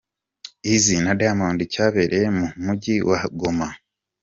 Eazi na Diamond cyabereye mu Mujyi wa Goma.